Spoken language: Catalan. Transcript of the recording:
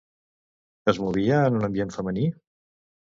Es movia en un ambient femení?